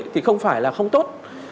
thì không phải là không tốt